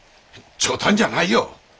冗談じゃないよ！